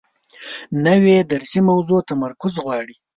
نوې درسي موضوع تمرکز غواړي